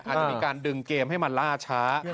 อาจจะมีการดึงเกมให้มันล่าช้า